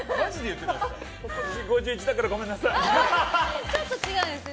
今年５１だからごめんなさい。